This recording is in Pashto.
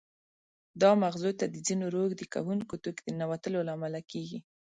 دا مغزو ته د ځینې روږدې کوونکو توکو د ننوتلو له امله کېږي.